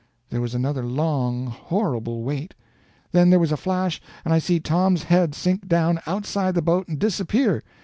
There was another long, horrible wait; then there was a flash, and I see Tom's head sink down outside the boat and disappear.